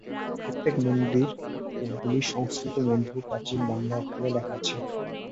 প্রত্যেক মন্দির কতকগুলি সংস্কৃত মন্ত্র প্রাচীন বাঙলা অক্ষরে লেখা আছে।